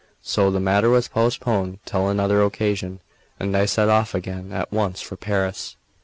So the matter was postponed till another occasion, and I set off again at once for Paris.